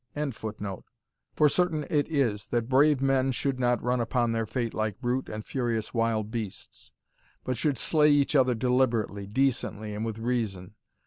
] for certain it is, that brave men should not run upon their fate like brute and furious wild beasts, but should slay each other deliberately, decently, and with reason.